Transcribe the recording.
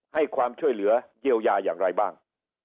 ให้ความช่วยเหลือเยียวยาอย่างไรบ้าง